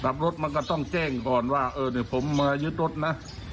ขับรถมันก็ต้องแจ้งก่อนว่าเออเดี๋ยวผมมายึดรถนะ